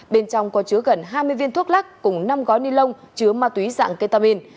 bên trong có chứa gần hai mươi viên thuốc lắc cùng năm gói ni lông chứa ma túy dạng ketamin